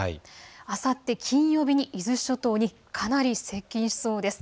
あさって金曜日に伊豆諸島にかなり接近しそうです。